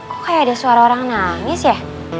kok kayak ada suara orang nangis ya